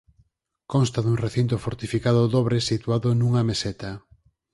Consta dun recinto fortificado dobre situado nunha meseta.